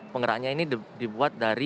penggeraknya ini dibuat dari